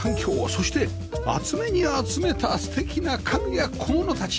そして集めに集めた素敵な家具や小物たち